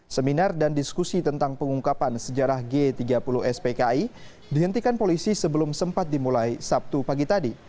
seminar dan diskusi tentang pengungkapan sejarah g tiga puluh spki dihentikan polisi sebelum sempat dimulai sabtu pagi tadi